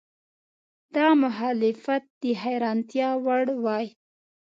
دا مخالفت د حیرانتیا وړ وای.